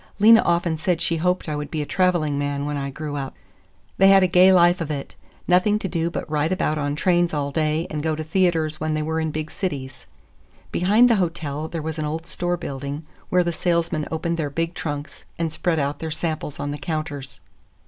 Lena often said she hoped I would be a traveling man when I grew up. They had a gay life of it; nothing to do but ride about on trains all day and go to theaters when they were in big cities. Behind the hotel there was an old store building, where the salesmen opened their big trunks and spread out their samples on the counters.